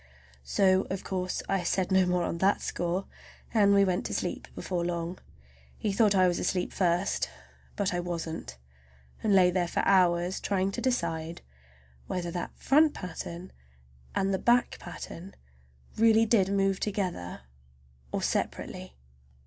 So of course I said no more on that score, and we went to sleep before long. He thought I was asleep first, but I wasn't,—I lay there for hours trying to decide whether that front pattern and the back pattern really did move together or separately.